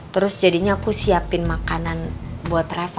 terus jadinya aku siapin makanan buat travel